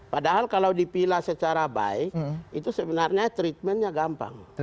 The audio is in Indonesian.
padahal kalau dipilah secara baik itu sebenarnya treatmentnya gampang